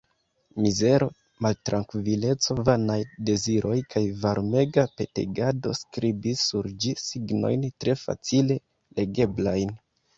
Mizero, maltrankvileco, vanaj deziroj kaj varmega petegado skribis sur ĝi signojn tre facile legeblajn.